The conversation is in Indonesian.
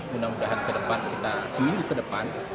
mudah mudahan ke depan kita seminggu ke depan